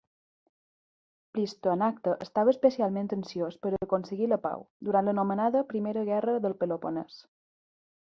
Plistoanacte estava especialment ansiós per aconseguir la pau, durant l"anomenada Primera Guerra del Peloponès..